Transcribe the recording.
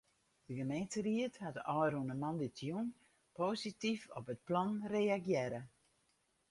De gemeenteried hat ôfrûne moandeitejûn posityf op it plan reagearre.